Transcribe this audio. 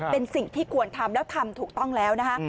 เป็นสิ่งที่ควรทำแล้วทำถูกต้องแล้วนะคะ